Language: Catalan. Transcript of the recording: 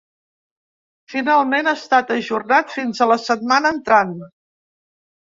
Finalment ha estat ajornat fins a la setmana entrant.